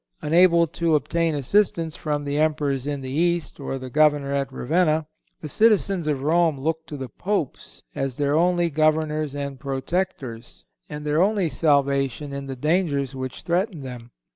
Unable to obtain assistance from the Emperor in the East, or the Governor at Ravenna, the citizens of Rome looked up to the Popes as their only Governors and protectors, and their only salvation in the dangers which threatened them.